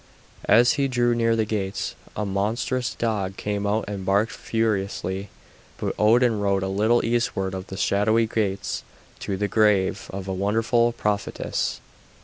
As he drew near the gates, a monstrous dog came out and barked furiously, but Odin rode a little eastward of the shadowy gates to the grave of a wonderful prophetess.